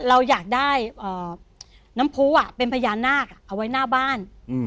เราอยากได้น้ำผู้เป็นพญานาคเอาไว้หน้าบ้าน